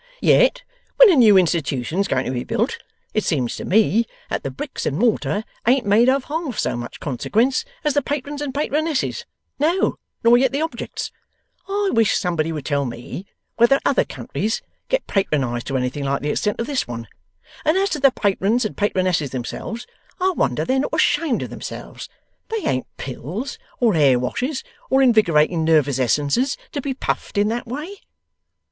Yet when a new Institution's going to be built, it seems to me that the bricks and mortar ain't made of half so much consequence as the Patrons and Patronesses; no, nor yet the objects. I wish somebody would tell me whether other countries get Patronized to anything like the extent of this one! And as to the Patrons and Patronesses themselves, I wonder they're not ashamed of themselves. They ain't Pills, or Hair Washes, or Invigorating Nervous Essences, to be puffed in that way!